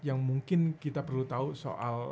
yang mungkin kita perlu tahu soal